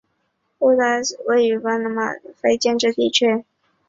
布赖特斯塔尔是一个位于美国阿拉巴马州布朗特县的非建制地区。